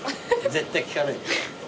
絶対聞かないで。